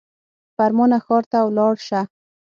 فرمانه ښار ته ولاړ سه.